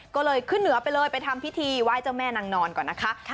ก็เลยขึ้นเหนือไปเลยไปทำพิธีไหว้เจ้าแม่นางนอนก่อนนะคะ